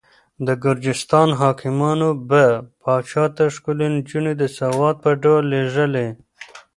د ګرجستان حاکمانو به پاچا ته ښکلې نجونې د سوغات په ډول لېږلې.